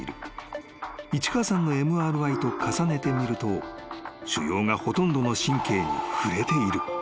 ［市川さんのＭＲＩと重ねてみると腫瘍がほとんどの神経に触れている］